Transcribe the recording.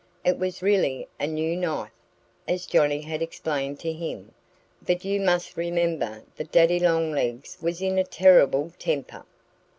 (It was really a new knife, as Johnnie had explained to him. But you must remember that Daddy Longlegs was in a terrible temper.)